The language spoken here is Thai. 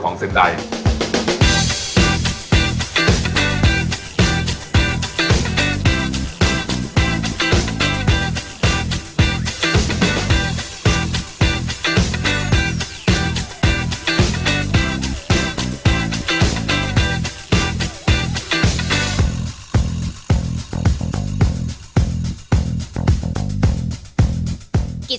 เกี้ยกับไข่